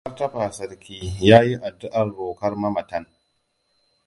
Mai Martaba Sarki ya yi addu'ar rokon mamatan.